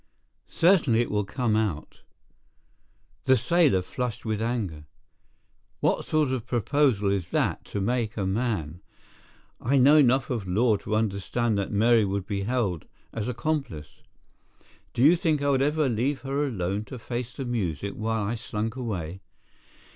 "Certainly it will come out." The sailor flushed with anger. "What sort of proposal is that to make a man? I know enough of law to understand that Mary would be held as accomplice. Do you think I would leave her alone to face the music while I slunk away?